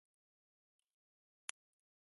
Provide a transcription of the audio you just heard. お日様のにおいってなんだろう？